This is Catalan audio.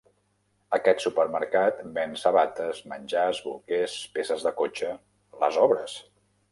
Aquest supermercat ven sabates, menjar, bolquers, peces de cotxe... les obres!